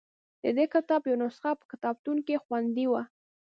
د دې کتاب یوه نسخه په کتابتون کې خوندي وه.